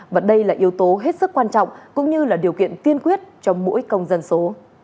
và đây là yếu tố hết sức quan trọng cũng như là điều kiện tiên quyết cho mỗi công dân số